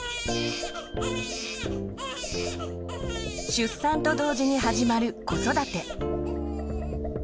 出産と同時に始まる子育て。